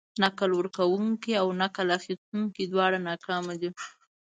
نکل ورکونکي او نکل اخيستونکي دواړه ناکامه دي.